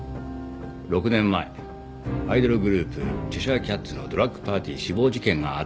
６年前アイドルグループチェシャーキャッツのドラッグパーティー死亡事件があっただろ？